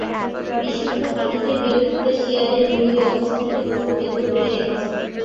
বিশুদ্ধ হাদিসের বিরোধীতা শিয়াদের ধর্মীয় অবস্থানকে প্রশ্নবিদ্ধ করে রেখেছে।